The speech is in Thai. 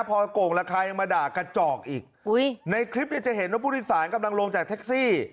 พอโก่งราคายังมาด่ากระจอกอีกอุ้ยในคลิปเนี่ยจะเห็นว่าผู้โดยสารกำลังลงจากแท็กซี่